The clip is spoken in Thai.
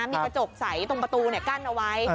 มีกระจกใสตรงประตูกั้นเอาไว้